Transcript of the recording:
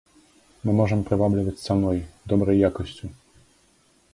Мы можам прывабліваць цаной, добрай якасцю!